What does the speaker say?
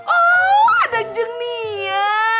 oh ada jun nih ya